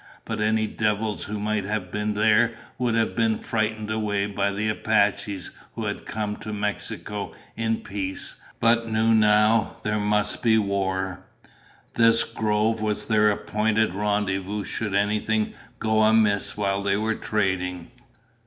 But any devils who might have been there would have been frightened away by the Apaches who had come to Mexico in peace but who knew now that there must be war. This grove was their appointed rendezvous should anything go amiss while they were trading.